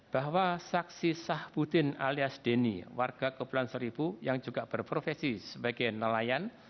bahwa saksi sahputin alias deni warga kebulan seribu yang juga berprofesi sebagai nelayan